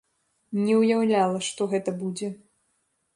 Не ўяўляла, што гэта будзе.